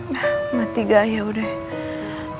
dah mati ga ya udah